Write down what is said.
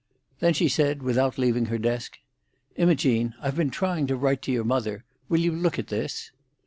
Then she said, without leaving her desk, "Imogene, I've been trying to write to your mother. Will you look at this?"